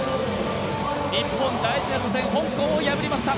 日本、大事な初戦香港を破りました。